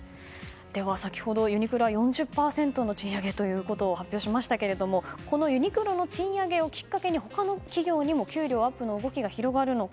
では、先ほどユニクロは４０％の賃上げということを発表しましたがユニクロの賃上げをきっかけに他の企業にも給料アップの動きが広がるのか。